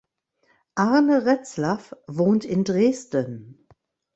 Arne Retzlaff wohnt in Dresden.